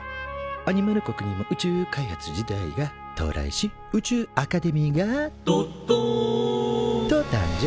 アニマル国にも宇宙開発時代が到来し宇宙アカデミーが「どっどん」と誕生。